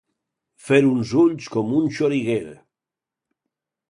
Fer uns ulls com un xoriguer.